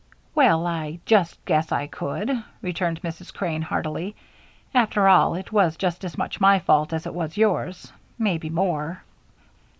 "Well, I just guess I could," returned Mrs. Crane, heartily. "After all, it was just as much my fault as it was yours maybe more."